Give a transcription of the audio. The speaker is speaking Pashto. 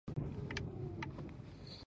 منګلي د پاس دريڅې نه کتل.